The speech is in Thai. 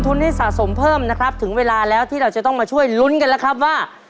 ให้สะสมเพิ่มนะครับถึงเวลาแล้วที่เราจะต้องมาช่วยลุ้นกันแล้วครับว่า